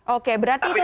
oke berarti itu